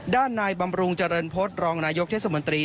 ด้านนายบำรุงเจริญพฤษรองนายกเทศมนตรี